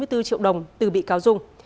bốn mươi bốn triệu đồng từ bị cáo dung